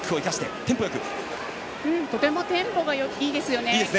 とてもテンポがいいですね。